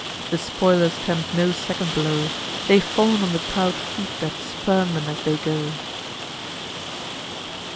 The spoilers tempt no second blow; They fawn on the proud feet that spurn them as they go."